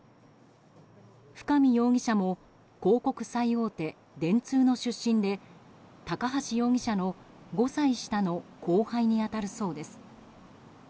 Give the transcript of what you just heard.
深見容疑者も広告最大手・電通の出身で高橋容疑者の５歳下の後輩に当たるそうです。